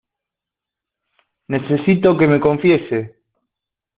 necesito que me confiese.